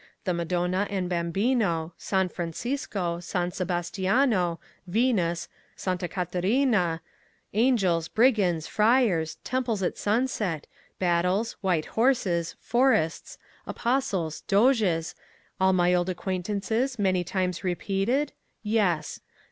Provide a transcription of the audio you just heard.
The Madonna and Bambino, San Francisco, San Sebastiano, Venus, Santa Caterina, Angels, Brigands, Friars, Temples at Sunset, Battles, White Horses, Forests, Apostles, Doges, all my old acquaintances many times repeated?—yes.